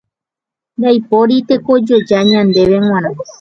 Ndaipóiri tekojoja ñandéve g̃uarã.